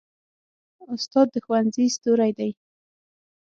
استاد د ښوونځي ستوری دی.